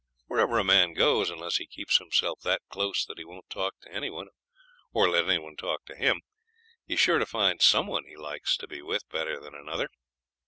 Wherever a man goes, unless he keeps himself that close that he won't talk to any one or let any one talk to him, he's sure to find some one he likes to be with better than another.